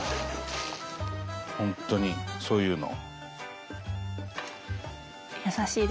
本当にそういうの。